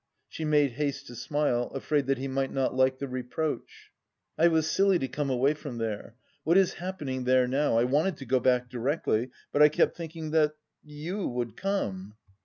She made haste to smile, afraid that he might not like the reproach. "I was silly to come away from there. What is happening there now? I wanted to go back directly, but I kept thinking that... you would come."